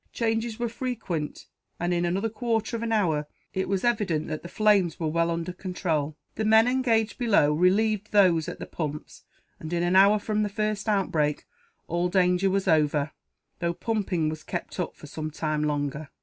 Changes were frequent and, in another quarter of an hour, it was evident that the flames were well under control. The men engaged below relieved those at the pumps and, in an hour from the first outbreak, all danger was over, though pumping was kept up for some time longer.